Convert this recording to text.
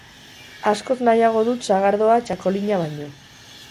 Askoz nahiago dut sagardoa, txakolina baino.